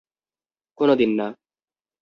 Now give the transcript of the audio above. কোনো দিন না।